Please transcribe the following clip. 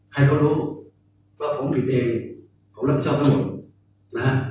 ให้เขารู้ว่าผมผิดเองผมรับผิดชอบทั้งหมดนะ